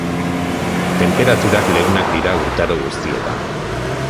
Tenperaturak leunak dira urtaro guztietan.